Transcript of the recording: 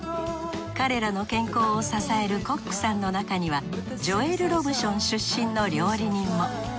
彼らの健康を支えるコックさんのなかにはジョエル・ロブション出身の料理人も。